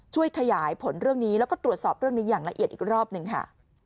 ขยายผลเรื่องนี้แล้วก็ตรวจสอบเรื่องนี้อย่างละเอียดอีกรอบหนึ่งค่ะ